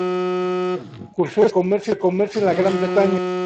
Cursó estudios de comercio en la Gran Bretaña.